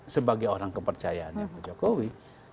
sebagai orang kepercayaannya pak jokowi